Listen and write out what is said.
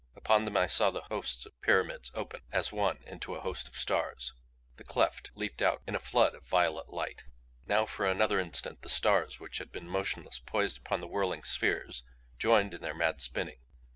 Upon them I saw the hosts of the pyramids open as one into a host of stars. The cleft leaped out in a flood of violet light. Now for another instant the stars which had been motionless, poised upon the whirling spheres, joined in their mad spinning.